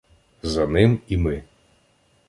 За ним і ми.